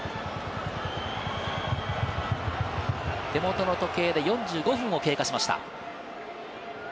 手元の時計で４５分を経過しました。